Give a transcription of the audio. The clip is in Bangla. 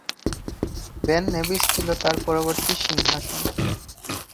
বেন নেভিস ছিল তাঁর "পর্বত সিংহাসন"।